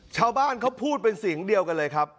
ชาวบ้านเขาพูดเป็นเสียงเดียวกันเลยครับ